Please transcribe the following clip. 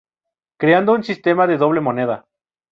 Creando un sistema de doble moneda.